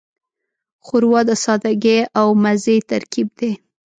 ښوروا د سادګۍ او مزې ترکیب دی.